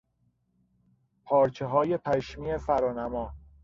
پارچههای پشمی فرانما